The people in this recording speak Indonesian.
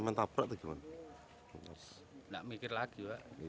nggak mikir lagi